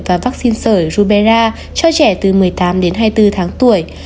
và vaccine sở rubella cho trẻ từ một mươi tám hai mươi bốn tháng tuổi